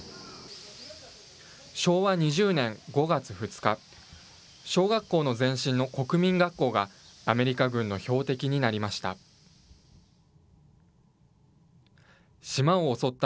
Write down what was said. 昭和２０年５月２日、小学校の前身の国民学校が、アメリカ軍の標的になりました。